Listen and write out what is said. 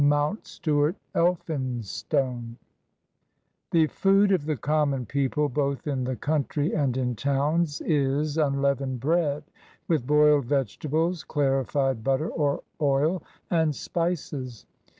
MOUNTSTUART ELPHINSTONE The food of the common people, both in the country and in towns, is unleavened bread with boiled vegetables, clarified butter or oil, and spices.